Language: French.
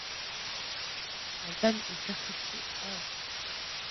L'album est certifié or.